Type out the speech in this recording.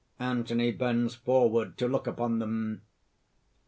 Anthony bends forward to look upon them.